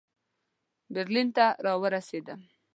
برلین ته را ورسېدم.